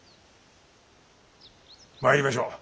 参りましょう。